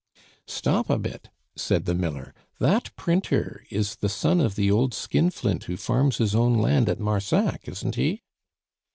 "Stop a bit," said the miller, "that printer is the son of the old skinflint who farms his own land at Marsac, isn't he?"